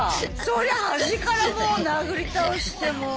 そりゃ端からもう殴り倒してもう。